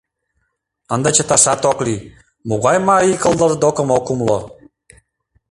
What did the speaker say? Ынде чыташат ок лий, — могай марий кылдырдокым ок умыло?